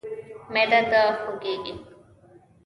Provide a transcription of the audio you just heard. معده د خوږیږي؟